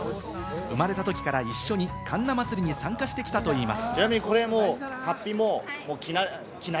生まれた時から一緒に神田祭に参加してきたといいます。